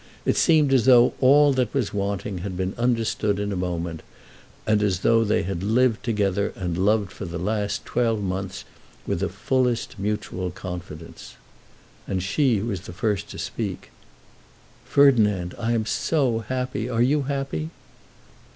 It seemed as though all that was wanting had been understood in a moment, and as though they had lived together and loved for the last twelve months with the fullest mutual confidence. And she was the first to speak: "Ferdinand, I am so happy! Are you happy?"